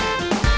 ya itu dia